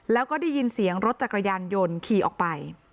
แล้วก็ได้ยินเสียงรถจักรยานยนต์ขี่ออกไป